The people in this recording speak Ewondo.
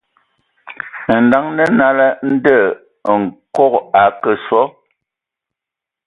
A ndǝŋə hm nala, ndɔ Nkɔg o akǝ sɔ,